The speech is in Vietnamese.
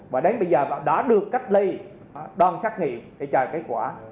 và đến bây giờ đã được cách ly đoán xác nghiệm để chờ kết quả